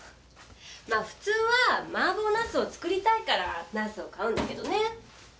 まあ普通は麻婆茄子を作りたいから茄子を買うんだけどね。